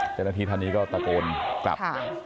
เจ้าหน้าที่ท่านนี้ก็ตะโกนกลับ